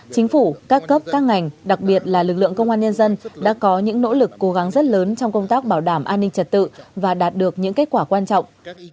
chính phủ các cấp các ngành đặc biệt là lực lượng công an nhân dân đã có những nỗ lực cố gắng rất lớn trong công tác bảo đảm an ninh trật tự và đạt được những kết quả quan trọng